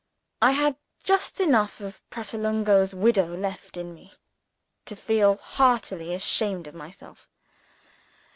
I had just enough of Pratolungo's widow left in me to feel heartily ashamed of myself.